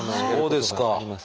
そうですか！